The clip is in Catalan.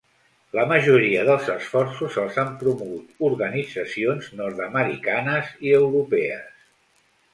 La majoria dels esforços els han promogut organitzacions nord-americanes i europees.